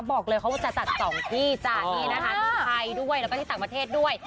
บอกเลยว่าจะจัดสองที่ที่ไทยด้วยแล้วก็ที่ศักดิ์ประเทศด้วย